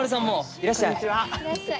いらっしゃい！